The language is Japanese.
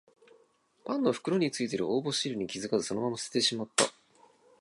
パンの袋についてる応募シールに気づかずそのまま捨ててしまった